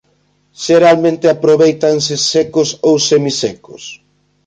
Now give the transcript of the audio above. Xeralmente aprovéitanse secos ou semisecos.